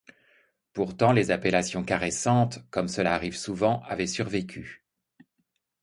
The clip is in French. Pourtant les appellations caressantes, comme cela arrive souvent, avaient survécu.